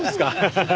ハハハ！